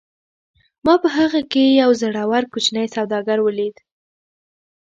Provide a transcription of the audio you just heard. ما په هغه کې یو زړور کوچنی سوداګر ولید